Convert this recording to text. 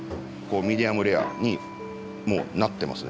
ミディアムレアにもうなってますね